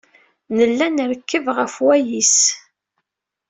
Nella nrekkeb ɣef wayis.